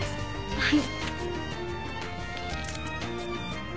はい。